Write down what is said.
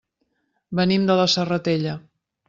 Venim de la Serratella.